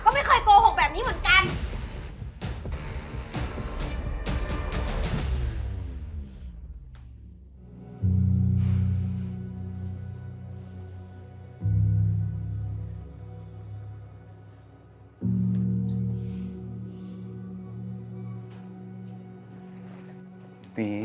ก็ไม่เคยโกหกแบบนี้เหมือนกัน